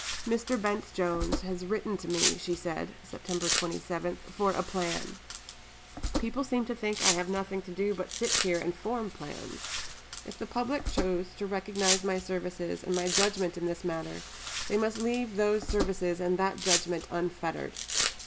"Dr. Bence Jones has written to me," she said (Sept. 27), "for a plan. People seem to think that I have nothing to do but to sit here and form plans. If the public choose to recognize my services and my judgment in this manner, they must leave those services and that judgment unfettered."